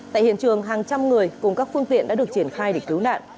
tại hiện trường hàng trăm người cùng các phương tiện đã được triển khai để cứu nạn